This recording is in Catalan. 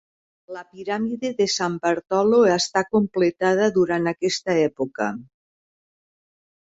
La piràmide de San Bartolo està completada durant aquesta època.